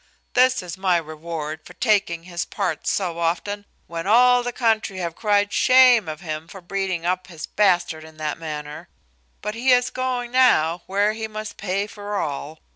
This is my reward for taking his part so often, when all the country have cried shame of him, for breeding up his bastard in that manner; but he is going now where he must pay for all.